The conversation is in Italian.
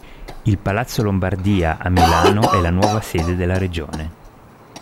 Il Palazzo Lombardia a Milano è la nuova sede della Regione.